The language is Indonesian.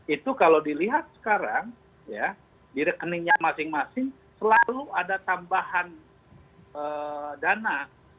itu kalau dilihat sekarang ya di rekeningnya masing masing selalu ada tambahan dana